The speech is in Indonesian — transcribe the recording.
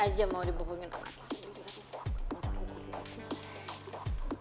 aja mau dibohongin anaknya sendiri